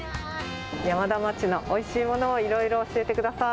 山田町のおいしいものをいろいろ教えてください。